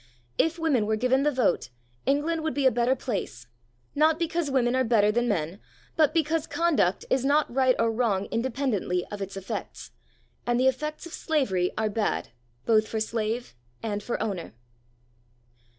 If women were given the vote, England would be a better place, not because women are better than men, but because conduct is not right or wrong independently of its effects, and the effects of slavery are bad both for slave and for owner.